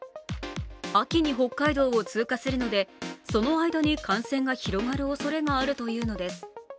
秋に北海道を通過するので、その間に感染が広がるおそれがあるというのです。